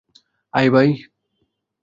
আয়, ভাই!